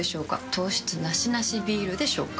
糖質ナシナシビールでしょうか？